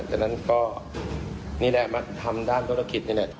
จากนั้นก็นี่แหละมาทำด้านธุรกิจนี่แหละ